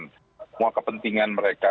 mereka memaksakan semua kepentingan mereka